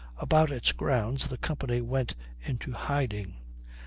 About its grounds the company went into hiding.